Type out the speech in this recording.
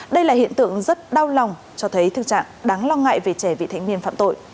đây là hiện tượng rất đau lòng cho thấy thực trạng đáng lo ngại về trẻ vị thành niên phạm tội